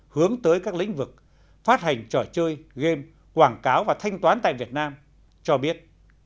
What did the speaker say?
hướng tới các lĩnh vực phát hành trò chơi game quảng cáo và thanh toán tại việt nam cho biết